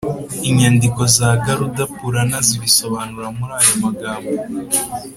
inyandiko za garuda purana zibisobanura muri aya magambo